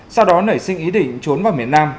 sau đó nảy sinh ý định trốn vào miền nam